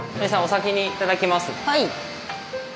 はい。